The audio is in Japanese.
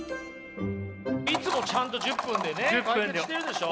いつもちゃんと１０分でね解決してるでしょう。